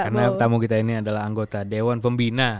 karena tamu kita ini adalah anggota dewan pembina